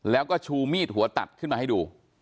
แล้วก็ชูมีดหัวตัดขึ้นมาให้ดู